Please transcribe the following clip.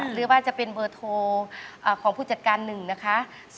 หรือว่าจะเป็นเบอร์โทรของผู้จัดการ๑นะคะ